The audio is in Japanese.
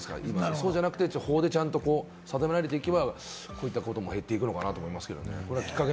そうじゃなくて、法で定められていけば、こういったことも減っていくのかな？って思いますけどね。